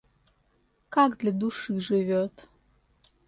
Как для души живет?